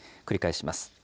繰り返します。